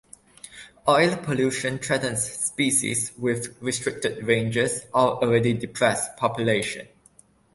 Oil pollution threatens species with restricted ranges or already depressed populations.